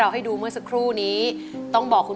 มาพบกับแก้วตานะครับนักสู้ชีวิตสู้งาน